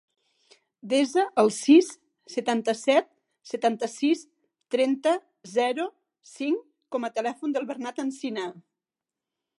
Desa el sis, setanta-set, setanta-sis, trenta, zero, cinc com a telèfon del Bernat Encinar.